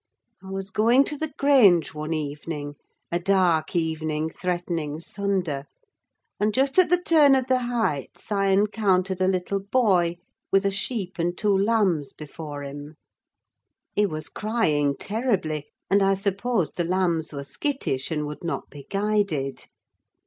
I was going to the Grange one evening—a dark evening, threatening thunder—and, just at the turn of the Heights, I encountered a little boy with a sheep and two lambs before him; he was crying terribly; and I supposed the lambs were skittish, and would not be guided.